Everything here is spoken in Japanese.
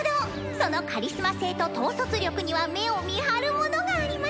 そのカリスマ性と統率力には目をみはるものがありました！